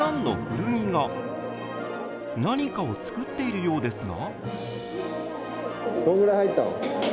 何かを作っているようですが。